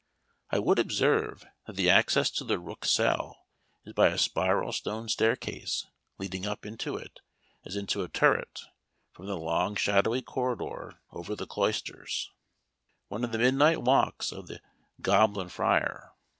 I would observe, that the access to the Rook Cell is by a spiral stone staircase leading up into it, as into a turret, from, the long shadowy corridor over the cloisters, one of the midnight walks of the Goblin Friar.